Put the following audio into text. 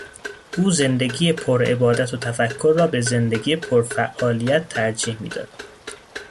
او زندگی پر عبادت و تفکر را به زندگی پرفعالیت ترجیح میداد.